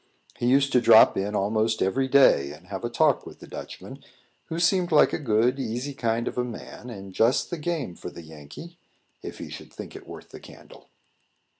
He used to drop in almost every day and have a talk with the Dutchman, who seemed like a good, easy kind of a man, and just the game for the Yankee, if he should think it worth the candle.